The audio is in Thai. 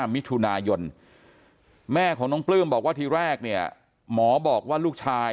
มิถุนายนแม่ของน้องปลื้มบอกว่าทีแรกเนี่ยหมอบอกว่าลูกชาย